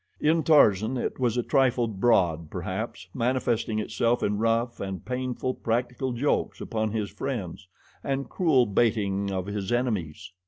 In Tarzan it was a trifle broad, perhaps, manifesting itself in rough and painful practical jokes upon his friends and cruel baiting of his enemies.